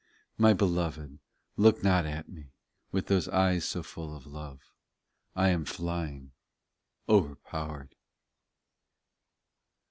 13 My Beloved, look not at me With those eyes so full of love ; 1 am flying, overpowered.